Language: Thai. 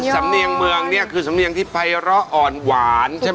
สำเนียงเมืองเนี่ยคือสำเนียงที่ภัยร้ออ่อนหวานใช่ไหม